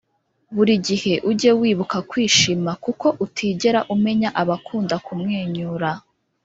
buri gihe ujye wibuka kwishima kuko utigera umenya abakunda kumwenyura